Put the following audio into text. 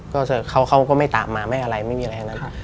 ก็เขาก็ไม่ตามมาไม่อะไรไม่มีอะไรทั้งนั้น